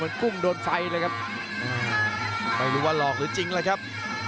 ไม่รู้ว่าหลอกหรือจริงแหละครับ